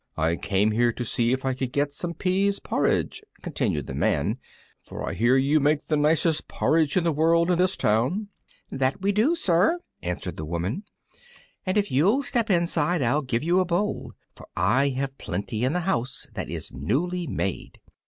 "I came here to see if I could get some pease porridge," continued the Man, "for I hear you make the nicest porridge in the world in this town." "That we do, sir," answered the woman, "and if you'll step inside I'll give you a bowl, for I have plenty in the house that is newly made."